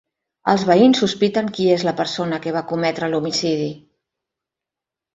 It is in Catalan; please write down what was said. Els veïns sospiten qui és la persona que va cometre l'homicidi